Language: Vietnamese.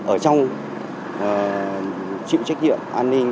ở trong trịu trách nhiệm an ninh